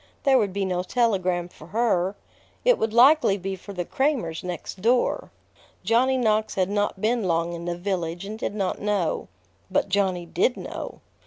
There would be no telegram for her. It would likely be for the Cramers next door. Johnny Knox had not been long in the village, and did not know. But Johnny did know.